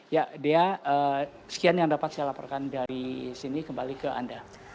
ya dea sekian yang dapat saya laporkan dari sini kembali ke anda